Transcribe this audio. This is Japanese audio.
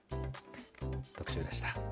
特集でした。